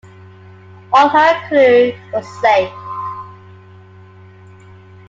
All her crew were saved.